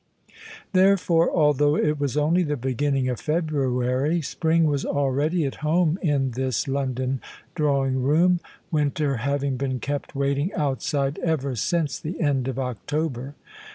Therefore — although it was only the beginning of February — spring was already at home in this London drawing room, winter having been kept waiting outside ever since the end of October.